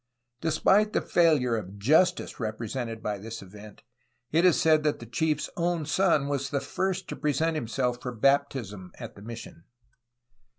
Despite the failure of justice repre sented by this event, it is said that the chiefs own son was the first to present himself for baptism at the mission.